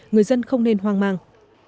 người dân không nên hoang mang